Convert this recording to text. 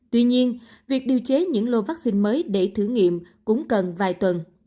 tuy nhiên việc điều chế những lô vaccine mới để thử nghiệm cũng cần vài tuần